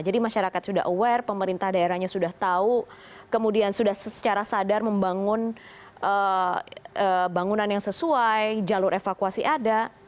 jadi masyarakat sudah aware pemerintah daerahnya sudah tahu kemudian sudah secara sadar membangun bangunan yang sesuai jalur evakuasi ada